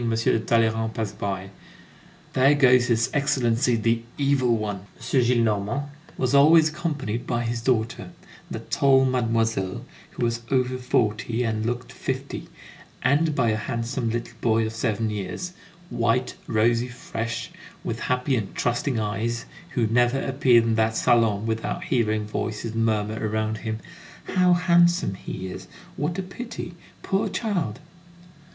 de Talleyrand pass by: "There goes his Excellency the Evil One." M. Gillenormand was always accompanied by his daughter, that tall mademoiselle, who was over forty and looked fifty, and by a handsome little boy of seven years, white, rosy, fresh, with happy and trusting eyes, who never appeared in that salon without hearing voices murmur around him: "How handsome he is! What a pity! Poor child!"